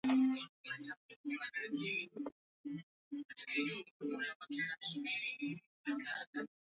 Wamasai wengi huko Tanzania huvaa makubadhi